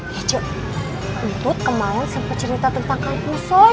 ya cuy untut kemarin sempet cerita tentang kampusoy